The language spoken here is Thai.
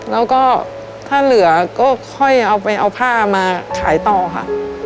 แล้วก็ถ้าเหลือก็ค่อยเอาไปเอาผ้ามาขายต่อค่ะ